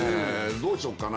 どうしよっかな？